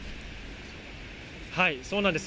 そうなんです。